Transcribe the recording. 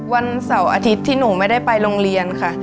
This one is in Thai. วันเสาร์อาทิตย์ที่หนูไม่ได้ไปโรงเรียนค่ะ